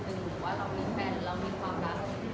หรือว่าเรามีแฟนเรามีความรัก